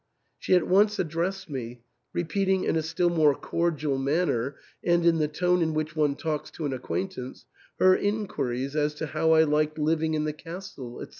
She at once addressed me, repeating in a still more cordial manner and in the tone in which one talks to an acquaintance, her inquiries as to how I liked living in the castle, &c.